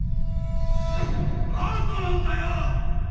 アウトなんだよ！！